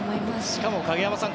しかも影山さん